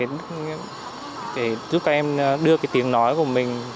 để giúp các em đưa cái tiếng nói của mình